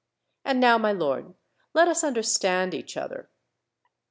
And now, my lord, let us understand each other.